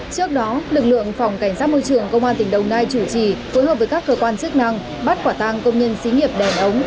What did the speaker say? trước đó lực lượng phòng cảnh sát môi trường công an tỉnh đồng nai chủ trì phối hợp với các cơ quan chức năng bắt quả tăng công nhân xí nghiệp đèn ống